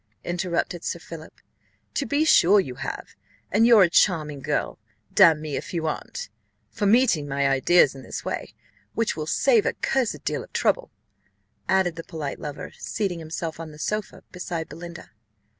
interrupted Sir Philip: "to be sure you have, and you're a charming girl damn me if you aren't for meeting my ideas in this way, which will save a cursed deal of trouble," added the polite lover, seating himself on the sofa, beside Belinda.